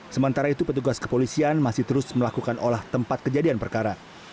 sementara itu petugas kepolisian masih terus melakukan olah tempat kejadian perkara